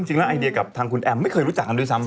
จริงแล้วไอเดียกับทางคุณแอมไม่เคยรู้จักกันด้วยซ้ำ